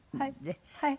はい。